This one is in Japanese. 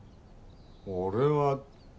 俺は。